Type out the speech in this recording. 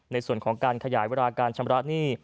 ในส่วนของการขยายเวลาการชำระหนี้